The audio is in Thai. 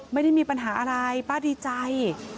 ไม่ได้มีปัญหาอะไรป้าดีใจ